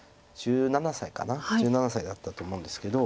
１７歳かな１７歳だったと思うんですけど。